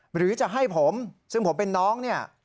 หรือจะให้ผมซึ่งผมเป็นน้องเนี่ย